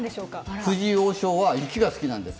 藤井王将は雪が好きなんですよ。